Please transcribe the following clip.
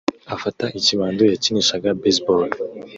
afata ikibando yakinishaga baseball